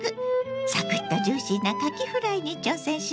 サクッとジューシーなかきフライに挑戦しますよ。